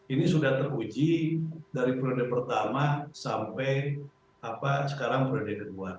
ini sudah teruji dari periode pertama sampai sekarang periode kedua